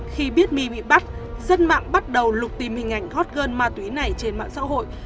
khi biết my bị bắt dân mạng bắt đầu lục tìm hình ảnh hot girl ma túy này trên mạng xã hội